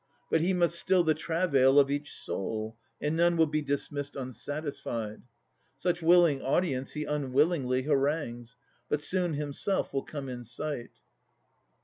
But he must still the travail of each soul, And none will be dismissed unsatisfied. Such willing audience he unwillingly Harangues, but soon himself will come in sight.